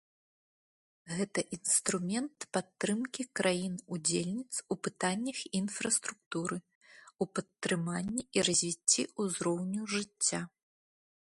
Гэта інструмент падтрымкі краін-удзельніц у пытаннях інфраструктуры, у падтрыманні і развіцці ўзроўню жыцця.